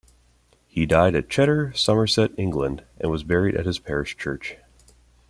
He died at Cheddar, Somerset, England, and was buried at his parish church.